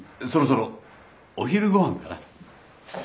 そろそろお昼ご飯かな。